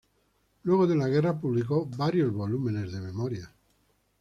Luego de la guerra, publicó varios volúmenes de memorias.